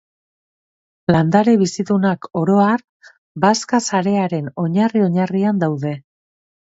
Landare-bizidunak, oro har, bazka sarearen oinarri-oinarrian daude.